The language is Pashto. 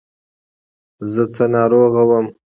زه څه ناروغه وم.